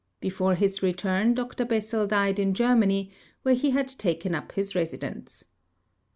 Before his return, Dr Bessels died in Germany, where he had taken up his residence.